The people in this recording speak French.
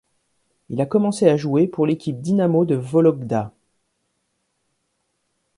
Il a commencé à jouer pour l'équipe Dinamo de Vologda.